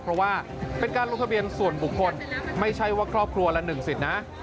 เพราะว่าเป็นการลงทะเบียนส่วนบุคคลไม่ใช่ว่าครอบครัวละ๑สิทธิ์นะ